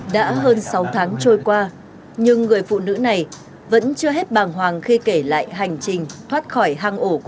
đã hơn sáu tháng trôi qua nhưng người phụ nữ này vẫn chưa hết bàng hoàng khi kể lại hành trình thoát khỏi hang ổ của bọn buôn người